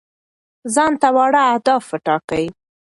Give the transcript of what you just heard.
ځان ته واړه اهداف وټاکئ.